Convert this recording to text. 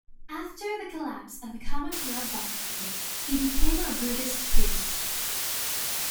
After the collapse of the Kamakura bakufu, he became a Buddhist priest.